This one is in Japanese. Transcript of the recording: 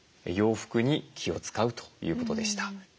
洋服に気を遣うということでした。